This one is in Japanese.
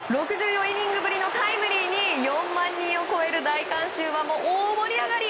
実にこれが６４イニングぶりのタイムリーに４万人を超える大観衆は大盛り上がり。